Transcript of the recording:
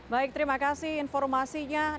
baik terima kasih informasinya